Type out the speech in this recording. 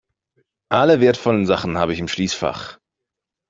Alle wertvollen Sachen habe ich im Schließfach.